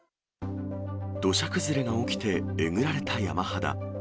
土砂崩れが起きて、えぐられた山肌。